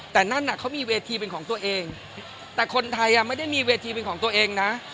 แต่นั่นเขามีเวทีเป็นของตัวเองแต่คนไทยไม่ได้มีเวทีเป็นของตัวเองนะ